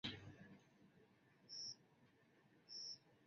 Matamshi yake ilikuwa "t".